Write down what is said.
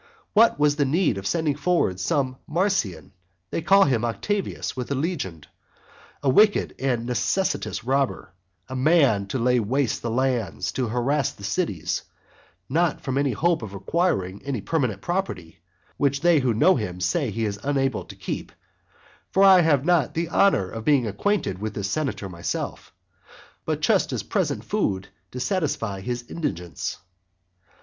What was the need of sending forward some Marsian, they call him Octavius, with a legion; a wicked and necessitous robber; a man to lay waste the lands, to harass the cities, not from any hope of acquiring any permanent property, which they who know him say that he is unable to keep (for I have not the honour of being acquainted with this senator myself,) but just as present food to satisfy his indigence?